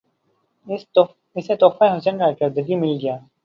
اسے تحفہِ حسنِ کارکردگی مل گیا